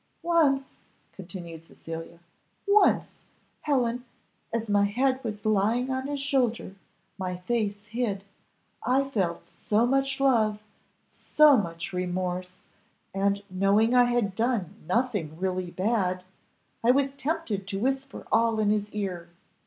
"Once!" continued Cecilia "once! Helen, as my head was lying on his shoulder, my face hid, I felt so much love, so much remorse, and knowing I had done nothing really bad, I was tempted to whisper all in his ear.